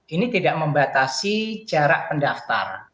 ini tidak membatasi jarak pendaftar